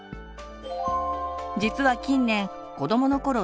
実は近年子どものころ